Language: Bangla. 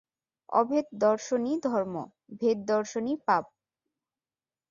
অভেদ-দর্শনই ধর্ম, ভেদ-দর্শনই পাপ।